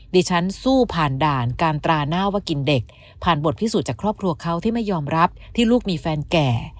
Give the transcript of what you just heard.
ฉันสู้ผ่านด่านการตราหน้าว่ากินเด็กผ่านบทพิสูจน์จากครอบครัวเขาที่ไม่ยอมรับที่ลูกมีแฟนแก่